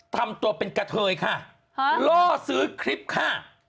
ทำตัวเป็นกะเทยค่ะล่อซื้อคลิปค่ะ